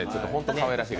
かわいらしい。